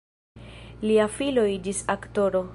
Lia filo iĝis aktoro.